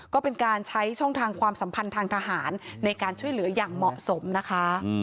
ก็เป็นการใช้ช่องทางความสัมพันธ์ทางทหารในการช่วยเหลืออย่างเหมาะสมนะคะ